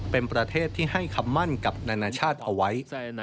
เป็นประเทศที่ให้คำมั่นกับนานาชาติเอาไว้